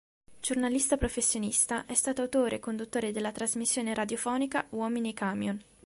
Giornalista professionista, è stato autore e conduttore della trasmissione radiofonica Uomini e Camion.